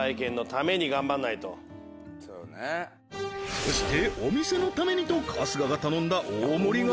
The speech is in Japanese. そしてお店のためにと春日が頼んだ大盛が！